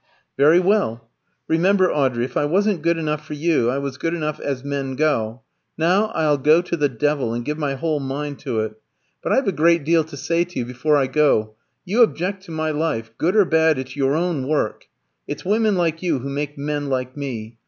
"Very well. Remember, Audrey, if I wasn't good enough for you, I was good enough as men go. Now, I'll go to the devil, and give my whole mind to it. But I've a great deal to say to you before I go. You object to my life. Good or bad, it's your own work. It's women like you who make men like me.